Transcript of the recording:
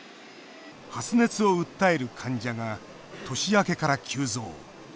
発熱を訴える患者が年明けから急増。